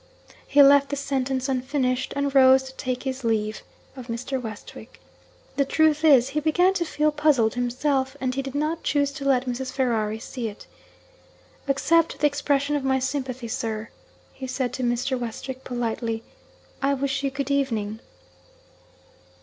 He left the sentence unfinished, and rose to take his leave of Mr. Westwick. The truth is, he began to feel puzzled himself, and he did not choose to let Mrs. Ferrari see it. 'Accept the expression of my sympathy, sir,' he said to Mr. Westwick politely. 'I wish you good evening.'